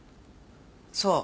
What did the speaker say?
そう。